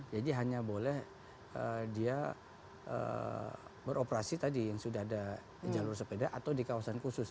jadi hanya boleh dia beroperasi tadi yang sudah ada di jalur sepeda atau di kawasan khusus